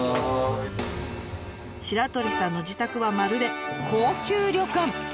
白鳥さんの自宅はまるで高級旅館。